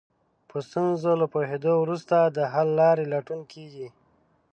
په ستونزه له پوهېدو وروسته د حل لارې لټون کېږي.